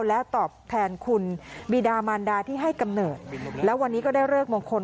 และตอบแทนคุณบีดามันดาที่ให้กำเนิดแล้ววันนี้ก็ได้เลิกมงคล